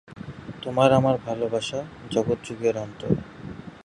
তোমার আমার ভালবাসা, জগত যুগের অন্তর